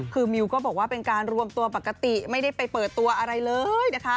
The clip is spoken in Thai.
คือมิวก็บอกว่าเป็นการรวมตัวปกติไม่ได้ไปเปิดตัวอะไรเลยนะคะ